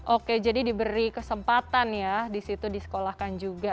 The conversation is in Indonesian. oke jadi diberi kesempatan ya di situ disekolahkan juga